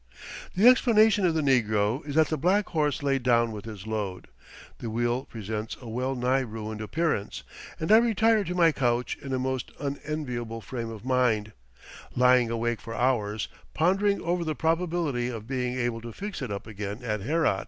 The explanation of the negro is that the black horse laid down with his load. The wheel presents a well nigh ruined appearance, and I retire to my couch in a most unenviable frame of mind; lying awake for hours, pondering over the probability of being able to fix it up again at Herat.